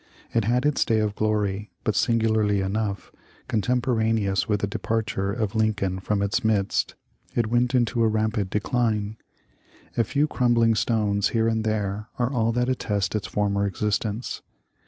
It had its day of glory, but, singu larly enough, cotemporaneous with the departure of Lincoln from its midst it went into a rapid decline. A few crumbling stones here and there are all that attest its former existence.